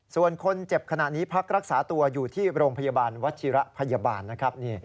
ส่วนคนเจ็บขณะนี้พักรักษาตัวอยู่ที่โรงพยาบาลวัชิระพยาบาลนะครับ